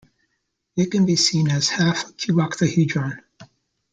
It can be seen as half a cuboctahedron.